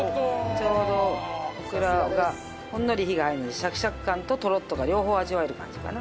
ちょうどオクラがほんのり火が入るのでシャキシャキ感とトロッとが両方味わえる感じかな。